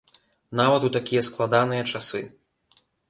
Нават у такія складаныя часы.